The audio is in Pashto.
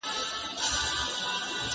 يعقوب عليه السلام وويل اي زويکيه.